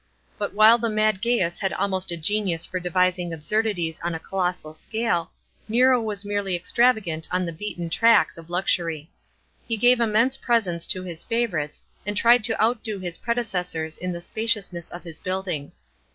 But while the mad Gaius had almost a genius for devising absurdities on a colossal scale, Nero was merely extravagant on the beaten tracks of luxury. He gave immense presents to his favourites, and tried to outdo his predecessors in the spaciousness of his buildings.